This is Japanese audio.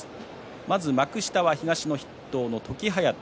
まず幕下は東の筆頭の時疾風。